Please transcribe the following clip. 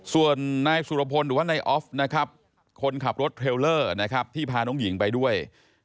ส่วนนายสุรพลหรือว่านายออฟนะครับคนขับรถเทรลเลอร์นะครับที่พาน้องหญิงไปด้วย